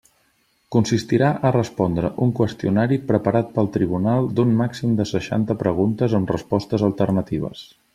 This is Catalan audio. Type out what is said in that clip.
Consistirà a respondre un qüestionari preparat pel tribunal d'un màxim de seixanta preguntes amb respostes alternatives.